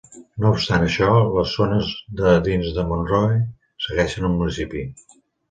No obstant això, les zones de dins de Monroe segueixen al municipi.